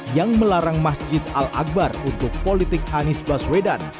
yang melarang masjid al akbar untuk politik anis basulat